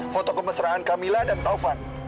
foto kemesraan camilla dan taufan